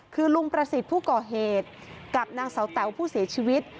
คือลุงประสิทธิ์ผู้ก่อเหตุกับนางเสาแต๋วผู้เสียชีวิต